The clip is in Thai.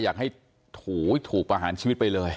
อยากให้ถูกประหารชีวิตไปเลย